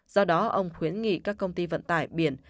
do đó ông khuyến nghị các công ty vận tải biển